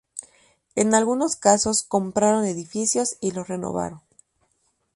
En algunos casos compraron edificios y los renovaron.